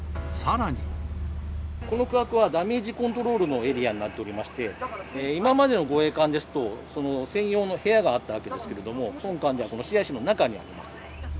この区画は、ダメージコントロールのエリアになっておりまして、今までの護衛艦ですと、その専用の部屋があったわけですけれども、本艦では、このＣＩＣの中にあります。